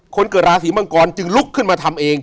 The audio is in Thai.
คนเกิดราศีมังกรจึงลุกขึ้นมาทำเอง